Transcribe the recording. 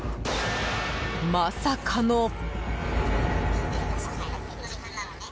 まさかの。